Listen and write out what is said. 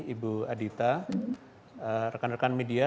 ibu adita rekan rekan media